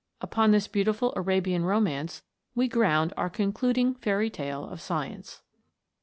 Upon this beautiful Arabian romance we ground our con cluding fairy tale of science.